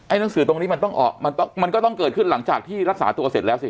หนังสือตรงนี้มันต้องออกมันก็ต้องเกิดขึ้นหลังจากที่รักษาตัวเสร็จแล้วสิ